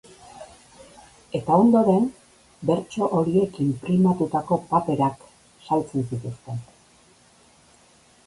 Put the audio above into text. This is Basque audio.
Eta ondoren, bertso horiek inprimatutako paperak saltzen zituzten.